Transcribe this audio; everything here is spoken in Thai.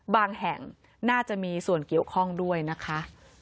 แห่งน่าจะมีส่วนเกี่ยวข้องด้วยนะคะ